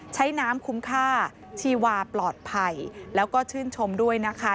ใช้น้ำคุ้มค่าชีวาปลอดภัยแล้วก็ชื่นชมด้วยนะคะ